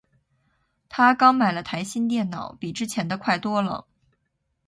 她刚买了台新电脑，比之前的快多了。